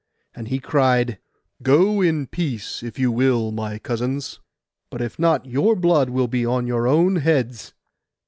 And he cried, 'Go in peace, if you will, my cousins; but if not, your blood be on your own heads.